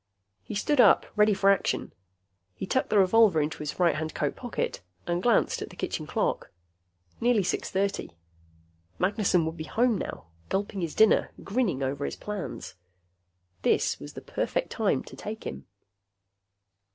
He stood up, ready for action. He tucked the revolver into his right hand coat pocket and glanced at the kitchen clock. Nearly six thirty. Magnessen would be home now, gulping his dinner, grinning over his plans. This was the perfect time to take him.